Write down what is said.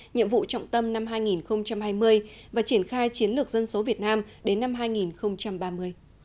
nhiệm vụ trọng tâm năm hai nghìn hai mươi và triển khai chiến lược dân số việt nam đến năm hai nghìn ba mươi